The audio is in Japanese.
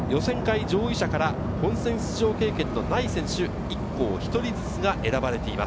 予選会上位者から本戦出場経験のない選手、１区を１人ずつが選ばれています。